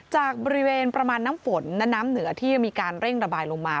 จากบริเวณประมาณน้ำฝนและน้ำเหนือที่มีการเร่งระบายลงมา